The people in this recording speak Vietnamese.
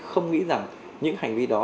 không nghĩ rằng những hành vi đó